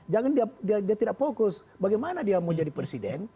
jangan dia tidak fokus bagaimana dia mau jadi presiden